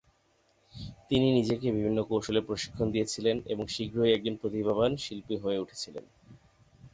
তিনি নিজেকে বিভিন্ন কৌশলে প্রশিক্ষণ দিয়েছিলেন এবং শীঘ্রই একজন প্রতিভাবান শিল্পী হয়ে উঠেছিলেন।